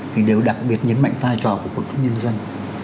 thì đều đặc biệt nhấn mạnh vai trò của quân chúng nhân dân